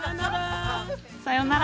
さようなら。